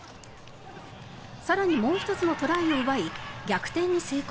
更にもう１つのトライを奪い逆転に成功。